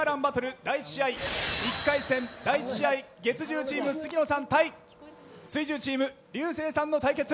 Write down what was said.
第１試合１回戦第１試合月１０チーム杉野さん対水１０チーム竜星さんの対決。